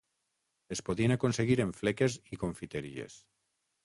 Es podien aconseguir en fleques i confiteries.